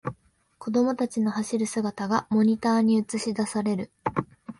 子供たちの走る姿がモニターに映しだされる